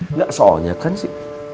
nggak soalnya kan sih